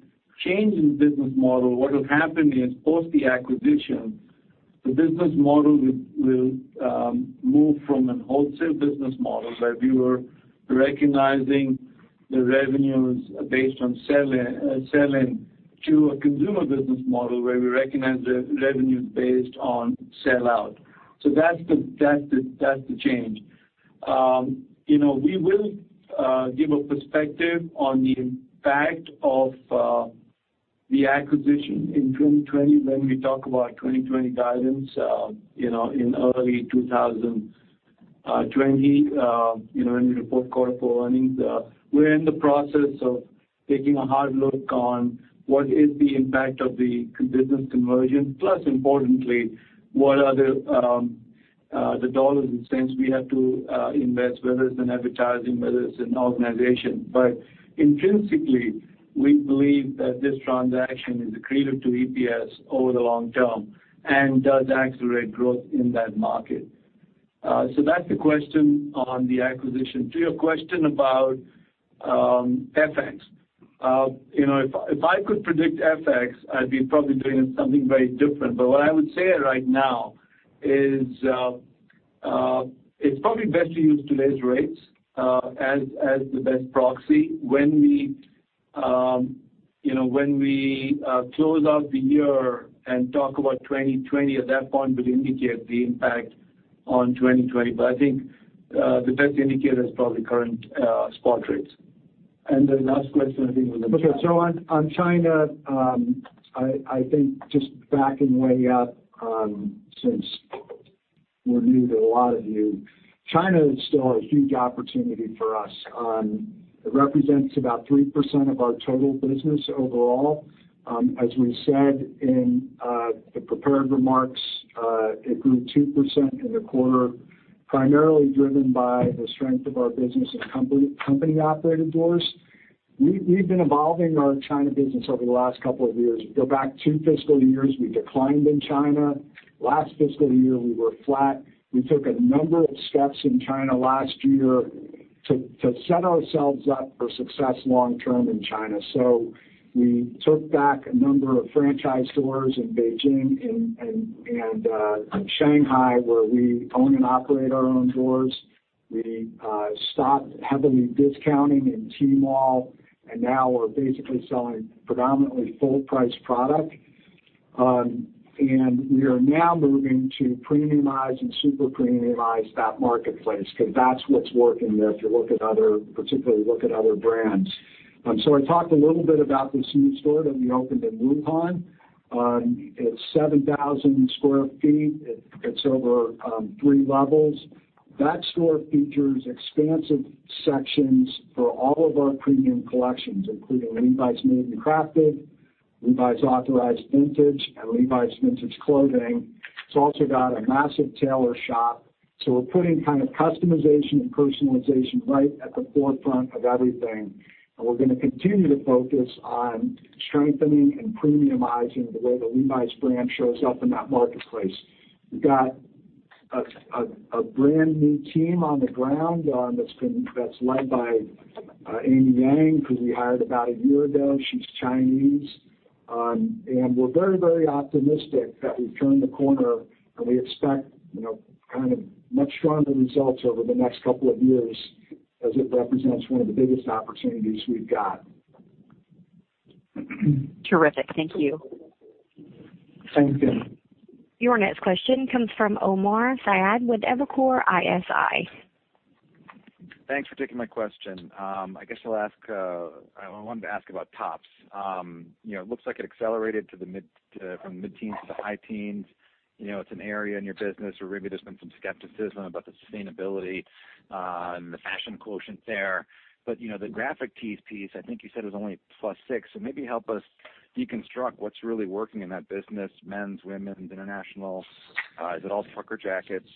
change in business model, what will happen is post the acquisition, the business model will move from a wholesale business model, where we were recognizing the revenues based on sell-in, to a consumer business model where we recognize the revenues based on sell out. That's the change. We will give a perspective on the impact of the acquisition in 2020 when we talk about 2020 guidance in early 2020, in the fourth quarter earnings. We're in the process of taking a hard look on what is the impact of the business conversion, plus importantly, what are the dollars and cents we have to invest, whether it's in advertising, whether it's in organization. Intrinsically, we believe that this transaction is accretive to EPS over the long term and does accelerate growth in that market. That's the question on the acquisition. To your question about FX. If I could predict FX, I'd be probably doing something very different. What I would say right now is it's probably best to use today's rates as the best proxy. When we close out the year and talk about 2020, at that point, we'll indicate the impact on 2020. I think the best indicator is probably current spot rates. The last question, I think was on China.
Okay. On China, I think just backing way up, since we're new to a lot of you, China is still a huge opportunity for us. It represents about 3% of our total business overall. As we said in the prepared remarks, it grew 2% in the quarter, primarily driven by the strength of our business in company-operated doors. We've been evolving our China business over the last couple of years. You go back two fiscal years, we declined in China. Last fiscal year, we were flat. We took a number of steps in China last year to set ourselves up for success long term in China. We took back a number of franchise stores in Beijing and Shanghai, where we own and operate our own doors. We stopped heavily discounting in Tmall, and now we're basically selling predominantly full price product. We are now moving to premiumize and super premiumize that marketplace because that's what's working there if you particularly look at other brands. I talked a little bit about this new store that we opened in Wuhan. It's 7,000 square feet. It's over 3 levels. That store features expansive sections for all of our premium collections, including Levi's Made & Crafted, Levi's Authorized Vintage, and Levi's Vintage Clothing. It's also got a massive tailor shop. We're putting kind of customization and personalization right at the forefront of everything. We're going to continue to focus on strengthening and premiumizing the way the Levi's brand shows up in that marketplace. We've got a brand new team on the ground that's led by Amy Yang, who we hired about a year ago. She's Chinese. We're very optimistic that we've turned the corner, and we expect much stronger results over the next couple of years as it represents one of the biggest opportunities we've got.
Terrific. Thank you.
Thank you.
Your next question comes from Omar Saad with Evercore ISI.
Thanks for taking my question. I guess I wanted to ask about tops. It looks like it accelerated from the mid-teens to the high teens. It's an area in your business where maybe there's been some skepticism about the sustainability and the fashion quotient there. The graphic tees piece, I think you said, is only +6. Maybe help us deconstruct what's really working in that business. Men's, women's, international. Is it all trucker jackets?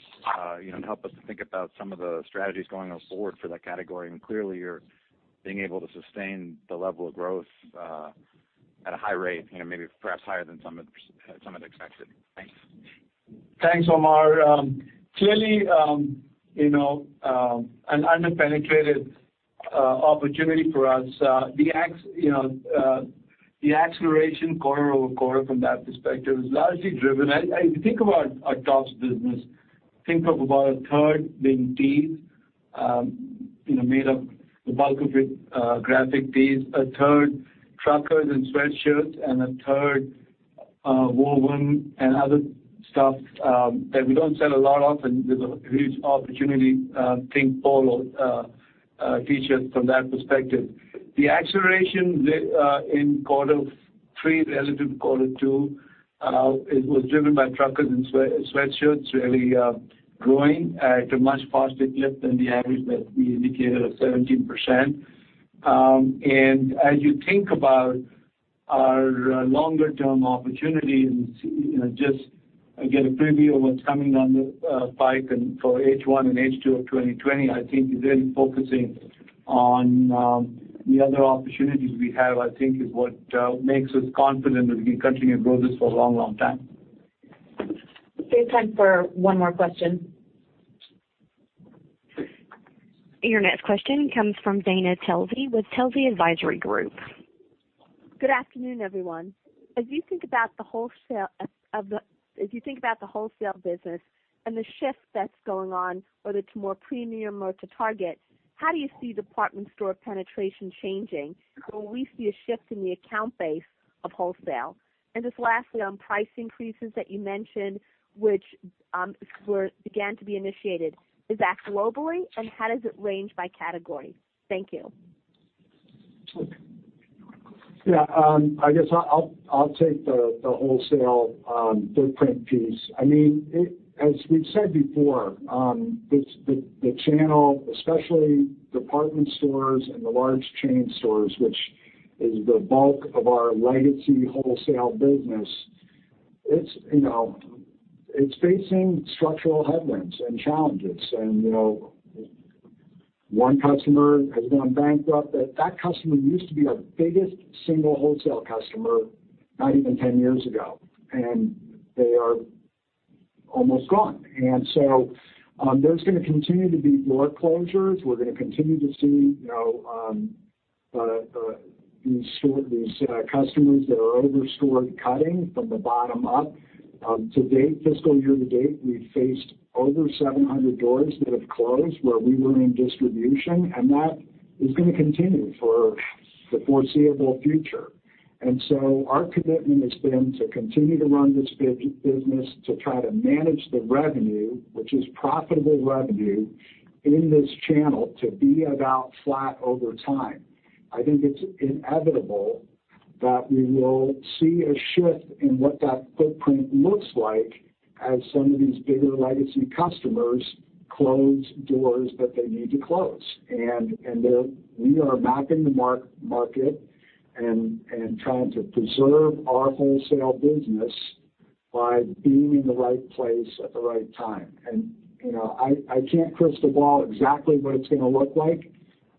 Help us to think about some of the strategies going forward for that category. Clearly, you're being able to sustain the level of growth at a high rate, maybe perhaps higher than some had expected. Thanks.
Thanks, Omar. Clearly, an under-penetrated opportunity for us. The acceleration quarter-over-quarter from that perspective is largely driven. If you think about our tops business, think of about a third being tees, made up the bulk of it graphic tees, a third truckers and sweatshirts, and a third woven and other stuff that we don't sell a lot of, and there's a huge opportunity. Think polo T-shirts from that perspective. The acceleration in quarter three relative to quarter two, it was driven by truckers and sweatshirts really growing at a much faster clip than the average that we indicated of 17%. As you think about our longer-term opportunities, just get a preview of what's coming on the pike and for H1 and H2 of 2020, I think is really focusing on the other opportunities we have, I think is what makes us confident that we can continue to grow this for a long time.
We have time for one more question. Your next question comes from Dana Telsey with Telsey Advisory Group.
Good afternoon, everyone. As you think about the wholesale business and the shift that's going on, whether it's more premium or to Target, how do you see department store penetration changing? Will we see a shift in the account base of wholesale? Just lastly, on price increases that you mentioned, which began to be initiated, is that globally, and how does it range by category? Thank you.
Yeah. I guess I'll take the wholesale footprint piece. As we've said before, the channel, especially department stores and the large chain stores, which is the bulk of our legacy wholesale business, it's facing structural headwinds and challenges. One customer has gone bankrupt. That customer used to be our biggest single wholesale customer not even 10 years ago, and they are almost gone. There's going to continue to be more closures. We're going to continue to see these customers that are overstored cutting from the bottom up. To date, fiscal year to date, we've faced over 700 doors that have closed where we were in distribution, and that is going to continue for the foreseeable future. Our commitment has been to continue to run this business, to try to manage the revenue, which is profitable revenue, in this channel to be about flat over time. I think it's inevitable that we will see a shift in what that footprint looks like as some of these bigger legacy customers close doors that they need to close. We are mapping the market and trying to preserve our wholesale business by being in the right place at the right time. I can't crystal ball exactly what it's going to look like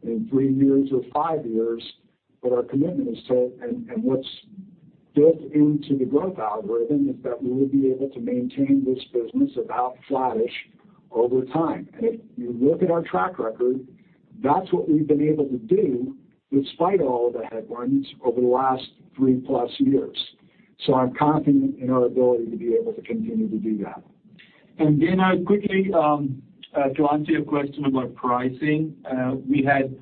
in three years or five years. Our commitment is to, and what's built into the growth algorithm is that we will be able to maintain this business about flattish over time. If you look at our track record, that's what we've been able to do despite all the headwinds over the last three plus years. I'm confident in our ability to be able to continue to do that.
Quickly, to answer your question about pricing. We had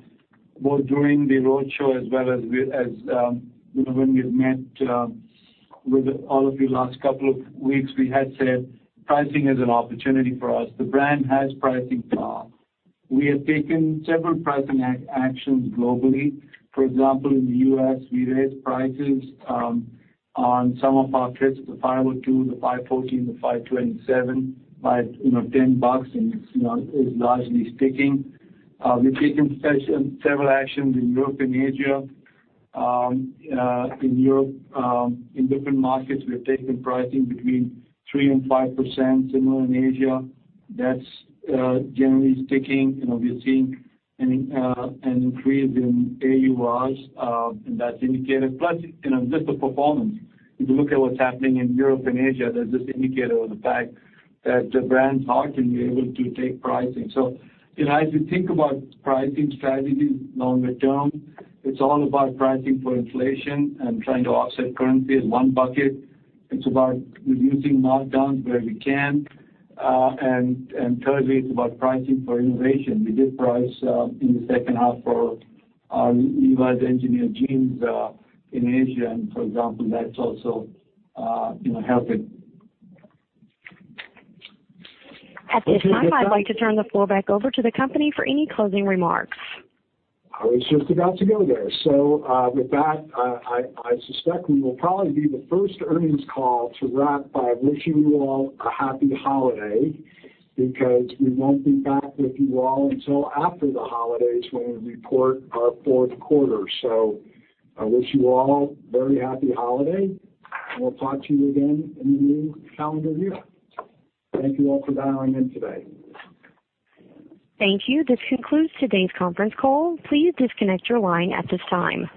both during the roadshow as well as when we've met with all of you last couple of weeks, we had said pricing is an opportunity for us. The brand has pricing power. We have taken several pricing actions globally. For example, in the U.S., we raised prices on some of our fits, the 502, the 514, the 527 by 10 bucks, and it's largely sticking. We've taken several actions in Europe and Asia. In Europe, in different markets, we have taken pricing between 3% and 5%. In Asia, that's generally sticking and we're seeing an increase in AURs and that's indicated. Just the performance. If you look at what's happening in Europe and Asia, that's just indicator of the fact that the brand's hot and we're able to take pricing. As you think about pricing strategies longer term, it's all about pricing for inflation and trying to offset currency as one bucket. It's about reducing markdowns where we can. Thirdly, it's about pricing for innovation. We did price in the second half for our Levi's Engineered Jeans in Asia and for example, that's also helping.
At this time, I'd like to turn the floor back over to the company for any closing remarks.
I was just about to go there. With that, I suspect we will probably be the first earnings call to wrap by wishing you all a happy holiday because we won't be back with you all until after the holidays when we report our fourth quarter. I wish you all a very happy holiday and we'll talk to you again in the new calendar year. Thank you all for dialing in today.
Thank you. This concludes today's conference call. Please disconnect your line at this time.